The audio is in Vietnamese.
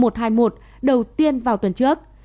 đầu tiên vào tuần trước